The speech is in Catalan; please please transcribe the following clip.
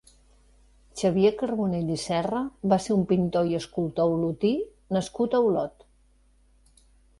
Xavier Carbonell i Serra va ser un pintor i escultor olotí nascut a Olot.